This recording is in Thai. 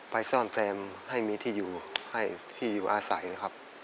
ซ่อมแซมให้มีที่อยู่ให้ที่อยู่อาศัยนะครับ